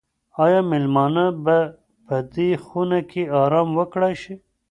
آیا مېلمانه به په دې خونه کې ارام وکړای شي؟